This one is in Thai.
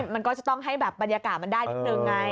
มันก็จะต้องให้แบบบรรยากาศมันได้นิดนึงไง